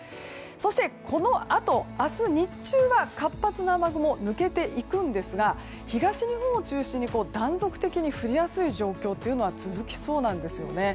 そして、このあと明日、日中は活発な雨雲抜けていくんですが東日本を中心に、断続的に降りやすい状況というのは続きそうなんですよね。